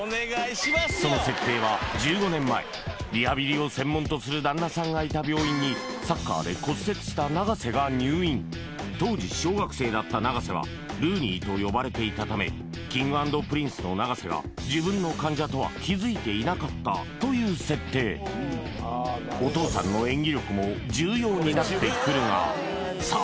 その設定は１５年前リハビリを専門とする旦那さんがいた病院にサッカーで骨折した永瀬が入院当時小学生だった永瀬はルーニーと呼ばれていたためＫｉｎｇ＆Ｐｒｉｎｃｅの永瀬が自分の患者とは気づいていなかったという設定になってくるがさあ